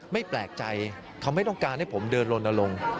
ไม่แปลกใจเขาไม่ต้องการให้ผมเดินลนลง